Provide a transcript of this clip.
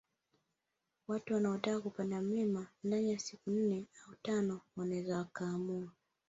Watu wanaotaka kupanda mlima ndani ya siku nne au tano wanaweza wakaamua